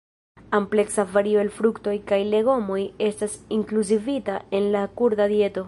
Ampleksa vario el fruktoj kaj legomoj estas inkluzivita en la kurda dieto.